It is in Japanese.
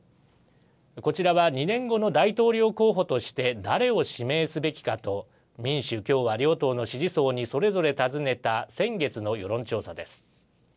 こちらは２年後の大統領候補として誰を指名すべきかと民主・共和両党の支持層にそれぞれ尋ねた先月の世論調査です。